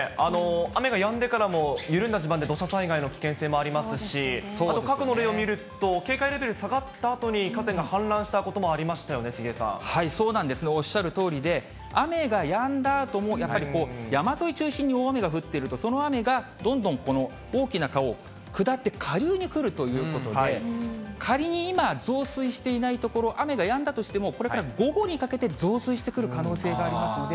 雨がやんでからも、緩んだ地盤で土砂災害の危険性もありますし、あと過去の例を見ると、警戒レベル下がったあとに、河川が氾濫したこともありましたそうなんですね、おっしゃるとおりで、やんだあとも、やはり山沿いを中心に大雨が降っていると、その雨がどんどんこの大きな川を下って下流に来るということで、仮に今、増水していない所、雨がやんだとしても、これから午後にかけて増水してくる可能性がありますので。